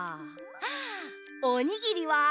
あおにぎりは？